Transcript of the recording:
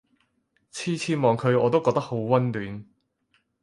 次次望佢我都覺得好溫暖